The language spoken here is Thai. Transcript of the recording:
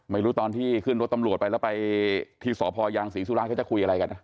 ไม่รู้ตอนที่ขึ้นรถตำรวจไปแล้วไปที่สพยางศรีสุราชเขาจะคุยอะไรกัน